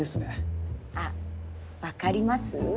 あっ分かります？